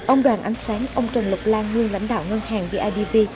ông đoàn ánh sáng ông trần lục lan nguyên lãnh đạo ngân hàng bidv